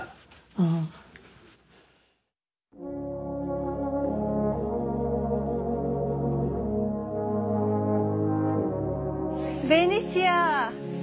ああベニシア！